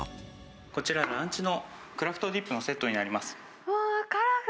こちら、のクラフトディップのセットになります。